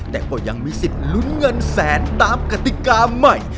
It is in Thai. แต่ก็ยังมีสิทธิ์ลุ้นเงินแสนตามกติกาใหม่